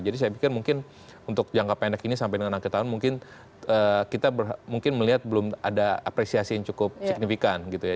jadi saya pikir mungkin untuk jangka pendek ini sampai dengan akhir tahun mungkin kita mungkin melihat belum ada apresiasi yang cukup signifikan gitu ya